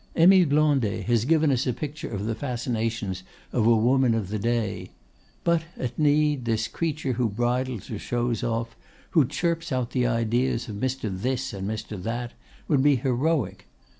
"Émile Blondet has given us a picture of the fascinations of a woman of the day; but, at need, this creature who bridles or shows off, who chirps out the ideas of Mr. This and Mr. That, would be heroic.